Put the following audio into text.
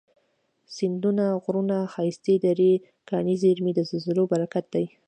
سیندونه، غرونه، ښایستې درې، کاني زیرمي، د زلزلو برکت دی